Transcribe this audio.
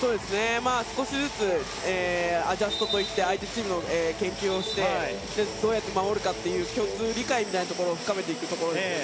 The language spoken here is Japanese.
少しずつアジャストといって相手チームの研究をしてどうやって守るかという共通理解みたいなところを深めていくと。